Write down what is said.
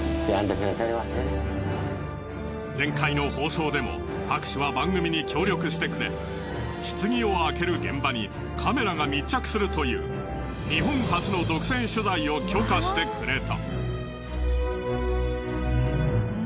前回の放送でも博士は番組に協力してくれ棺を開ける現場にカメラが密着するという日本初の独占取材を許可してくれた。